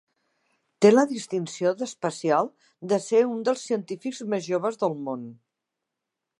Té la distinció especial de ser un dels científics més joves del món.